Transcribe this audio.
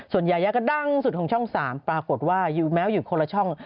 ส่วนยายาก็ดังสุดของช่อง๓ปรากฏว่าอยู่แม้อยู่คนละช่อง